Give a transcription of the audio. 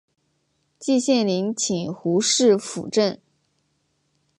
季羡林请胡适斧正。